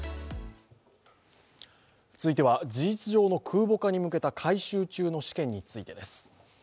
続いては事実上の空母化に向けた改修中の試験についてです。